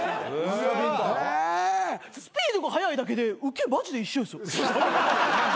スピードが速いだけでウケマジで一緒ですよ。